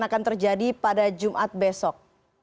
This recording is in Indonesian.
akan terjadi pada jumat besok